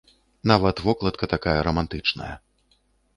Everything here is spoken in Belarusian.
Нават вокладка такая рамантычная.